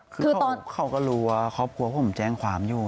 คือเขาก็รู้ว่าเขากลัวพวกมันแจ้งฝ่ามอยู่